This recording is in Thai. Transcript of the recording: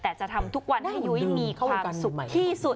แต่จะทำทุกวันให้ยุ้ยมีความสุขที่สุด